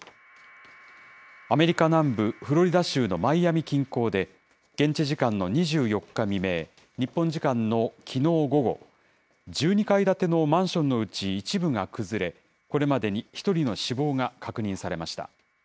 アメリカ南部フロリダ州のマイアミ近郊で、現地時間の２４日未明、日本時間のきのう午後、１２階建てのマンションのうち、一部が崩れ、これまでに１人の死亡が確認されました。